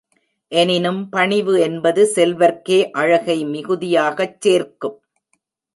எனினும் பணிவு என்பது செல்வர்க்கே அழகை மிகுதியாகச் சேர்க்கும்.